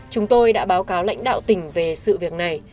chúng tôi đã báo cáo lãnh đạo tỉnh về sự việc này